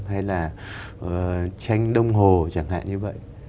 hay là tranh đông hồ chẳng hạn như vậy